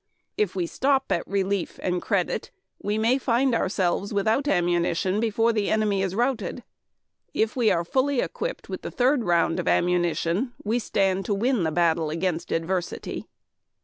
If we stop at relief and credit, we may find ourselves without ammunition before the enemy is routed. If we are fully equipped with the third round of ammunition, we stand to win the battle against adversity."